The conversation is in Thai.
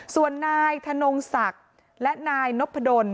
ส่วนนายธนงศักดิ์และนายนพดล